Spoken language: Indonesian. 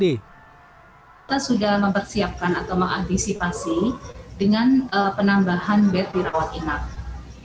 kita sudah mempersiapkan atau mengantisipasi dengan penambahan bed dirawat inap